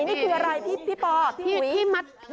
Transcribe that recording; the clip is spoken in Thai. นี่คืออะไรพี่พี่พี่ป่าปี่พี่เมดคน